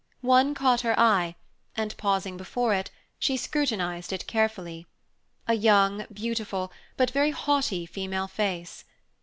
One caught her eye, and, pausing before it, she scrutinized it carefully. A young, beautiful, but very haughty female face.